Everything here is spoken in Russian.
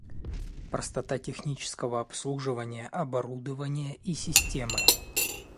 Простота технического обслуживания оборудования и системы